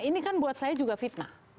ini kan buat saya juga fitnah